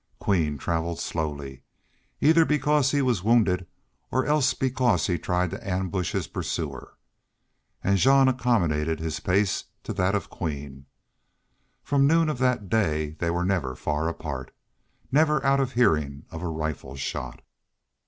Queen traveled slowly, either because he was wounded or else because he tried to ambush his pursuer, and Jean accommodated his pace to that of Queen. From noon of that day they were never far apart, never out of hearing of a rifle shot.